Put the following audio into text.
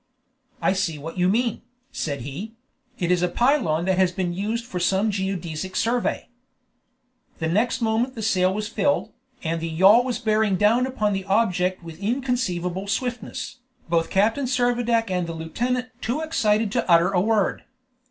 "I see what you mean," said he; "it is a pylone that has been used for some geodesic survey." The next moment the sail was filled, and the yawl was bearing down upon the object with inconceivable swiftness, both Captain Servadac and the lieutenant too excited to utter a word.